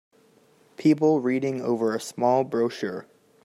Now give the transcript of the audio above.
People reading over a small brochure.